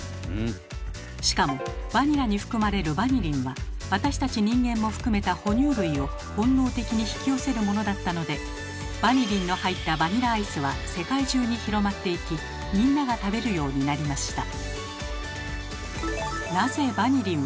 しかもバニラに含まれるバニリンは私たち人間も含めた哺乳類を本能的に引き寄せるものだったのでバニリンの入ったバニラアイスは世界中に広まっていきみんなが食べるようになりました。